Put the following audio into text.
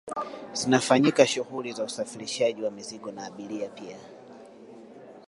zinafanyika shughuli za usafirishaji wa mizigo na abiria pia